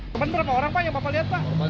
kapan berapa orang yang bapak lihat pak